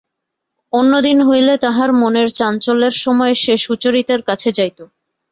অন্যদিন হইলে তাহার মনের চাঞ্চল্যের সময় সে সুচরিতার কাছে যাইত।